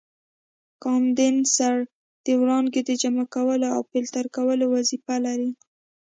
کاندنسر د وړانګو د جمع کولو او فلټر کولو وظیفه لري.